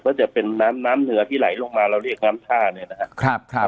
ก็จะเป็นน้ำน้ำเหนือที่ไหลลงมาเราเรียกน้ำท่าเนี่ยนะครับ